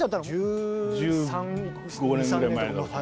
１５年ぐらい前だと。